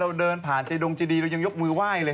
เราเดินผ่านเจดงเจดีเรายังยกมือไหว้เลย